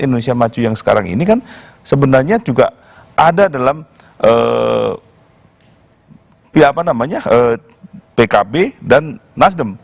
indonesia maju yang sekarang ini kan sebenarnya juga ada dalam pkb dan nasdem